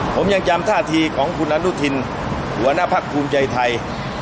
ผมยังจำท่าทีของคุณอนุทินหัวหน้าพักภูมิใจไทย